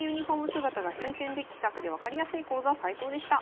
姿が新鮮で気さくで分かりやすい講座最高でした。